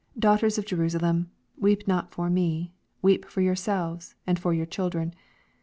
Daughters of Jerusalem, weep not for me, but weep tor yourselves, and for your children.